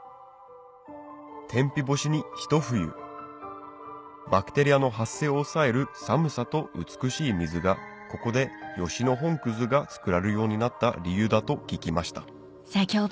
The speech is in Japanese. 天日干しにひと冬バクテリアの発生を抑える寒さと美しい水がここで吉野本が作られるようになった理由だと聞きました